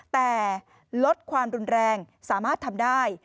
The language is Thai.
แต่ลดความรุนแรงสามารถทำได้